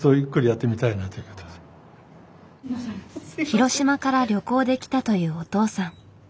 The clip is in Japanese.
広島から旅行で来たというお父さん。